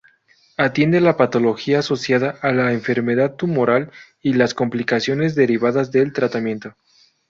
Atiende la patología asociada a la enfermedad tumoral, y las complicaciones derivadas del tratamiento.